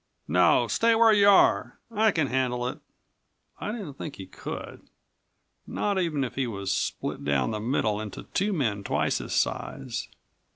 "No, stay where you are. I can handle it." I didn't think he could, not even if he was split down the middle into two men twice his size.